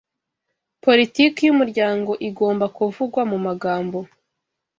Politiki yumuryango igomba kuvugwa mumagambo